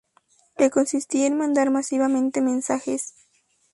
que consistía en mandar masivamente mensajes